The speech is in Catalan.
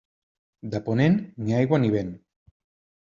De ponent, ni aigua ni vent.